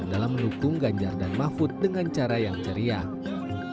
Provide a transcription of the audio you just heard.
dalam mendukung ganjar dan mahfud dengan cara yang ceria